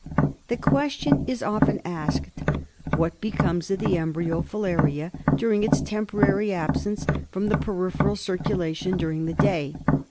The question is often asked, what becomes of the embryo filaria during its temporary absence from the peripheral circulation during the day